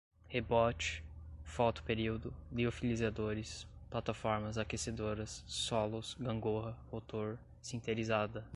rebote, foto-período, liofilizadores, plataformas, aquecedoras, solos, gangorra, rotor, sinterizada